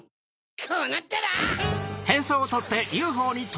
こうなったら！